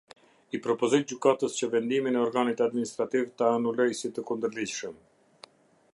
I propozoj gjykatës që vendimin e organit administrativ ta anuloj si të kundërligjshëm.